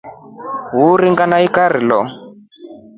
Uliringa na ikira lo.